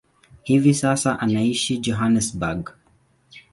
Hivi sasa anaishi Johannesburg.